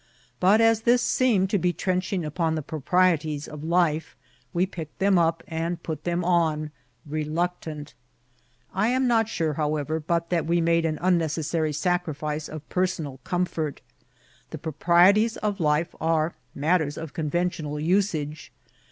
But, as this seemed to be trenching upon the proprieties of life, we picked them up and put them on reluctant. I am not sure, however, but M INCIDENTS OP TKATBL. that we made an unneoeaaary sacnfice of personal com* fort. The proprieties of life are matters of convention* al usage.